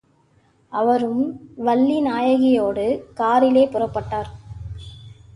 அவரும் வள்ளிநாயகியோடு காரிலே புறப்பட்டார்.